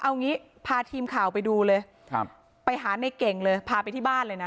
เอางี้พาทีมข่าวไปดูเลยครับไปหาในเก่งเลยพาไปที่บ้านเลยนะ